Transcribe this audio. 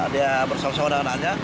dia bersama sama dengan anaknya